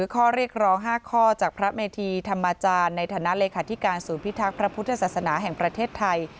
ข้อเรียกร้อง๕ข้อจากพระเมธีธรรมจารย์ในฐานะเลขาธิการศูนย์พิทักษ์พระพุทธศาสนาแห่งประเทศไทย